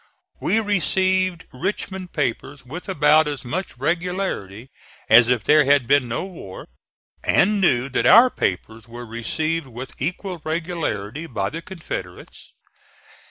We received Richmond papers with about as much regularity as if there had been no war, and knew that our papers were received with equal regularity by the Confederates.